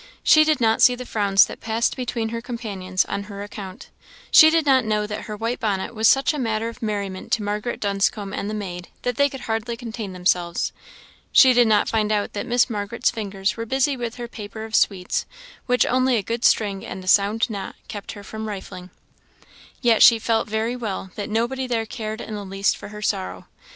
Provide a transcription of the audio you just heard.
She did not see the frowns that passed between her companions on her account. She did not know that her white bonnet was such a matter of merriment to Margaret Dunscombe and the maid, that they could hardly contain themselves. She did not find out that Miss Margaret's fingers were busy with her paper of sweets, which only a good string and a sound knot kept her from rifling. Yet she felt very well that nobody there cared in the least for her sorrow.